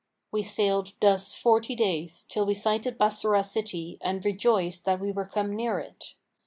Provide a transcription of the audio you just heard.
We sailed thus forty days, till we sighted Bassorah city and rejoiced that we were come near it.